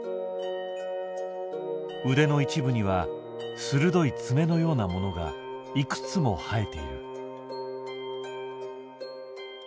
腕の一部には鋭い爪のようなものがいくつも生えている。